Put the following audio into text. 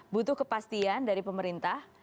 butuh kepastian dari pemerintah